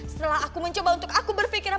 setelah aku mencoba untuk aku berpikiran